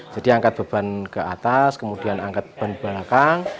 jadi angkat beban ke atas kemudian angkat beban ke belakang